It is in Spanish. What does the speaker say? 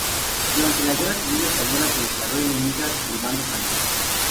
Durante la Guerra Civil Española se declaró enemiga del bando franquista.